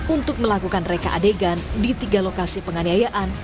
untuk melakukan reka adegan di tiga lokasi penganiayaan